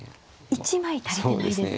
１枚足りてないですか。